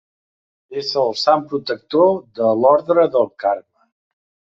És el sant protector de l'Orde del Carme.